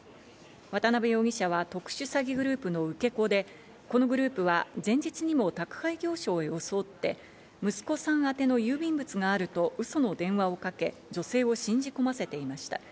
渡辺容疑者は特殊詐欺グループの受け子で、このグループは前日にも宅配業者を装って息子さん宛ての郵便物があると嘘の電話をかけ、女性を信じ込ませていました。